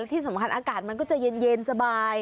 ที่สำคัญอากาศมันก็จะเย็นสบาย